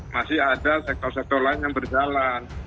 masih ada sektor sektor lain yang berjalan